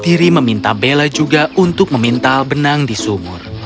diri meminta bella juga untuk memintal benang di sumur